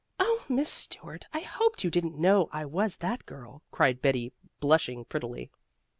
"Oh, Miss Stuart, I hoped you didn't know I was that girl," cried Betty blushing prettily.